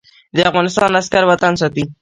د افغانستان عسکر وطن ساتي